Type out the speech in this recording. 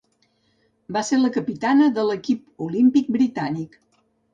Va ser la capitana de l'equip olímpic britànic.